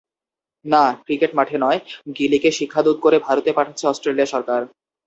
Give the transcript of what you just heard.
না, ক্রিকেট মাঠে নয়, গিলিকে শিক্ষাদূত করে ভারতে পাঠাচ্ছে অস্ট্রেলিয়া সরকার।